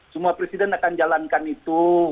semua presiden akan jalankan itu